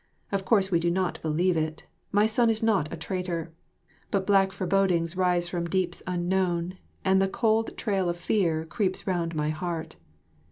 Of course we do not believe it, my son is not a traitor; but black forebodings rise from deeps unknown and the cold trail of fear creeps round my heart.